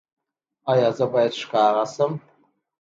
ایا زه باید ښکاره شم؟